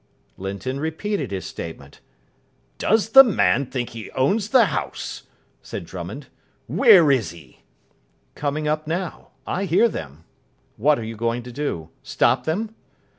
Linton repeated his statement. "Does the man think he owns the house?" said Drummond. "Where is he?" "Coming up now. I hear them. What are you going to do? Stop them?"